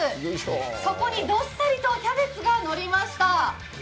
そこにどっさりとキャベツが乗りました。